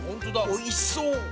おいしそう。